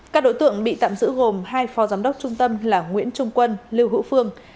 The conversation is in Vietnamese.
các đối tượng bị tạm giữ gồm hai phó giám đốc trung tâm là nguyễn trung quân lưu hữu phương